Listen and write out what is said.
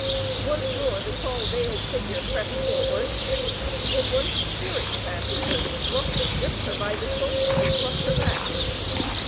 Once more the tall veiled figure pressed forward, when one of the steerage passengers roughly gripped her by the shoulder and thrust her back.